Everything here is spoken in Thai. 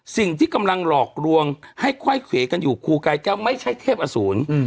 สิ่งที่กำลังหลอกลวงให้ไขว้เขวกันอยู่ครูกายแก้วไม่ใช่เทพอสูร